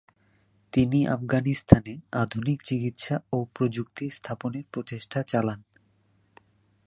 তিনি আফগানিস্তানে আধুনিক চিকিৎসা ও প্রযুক্তি স্থাপনের প্রচেষ্টা চালান।